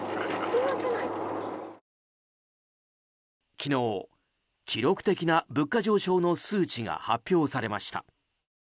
昨日、記録的な物価上昇の数値が発表されました。